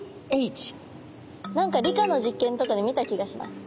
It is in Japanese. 何か理科の実験とかで見た気がします。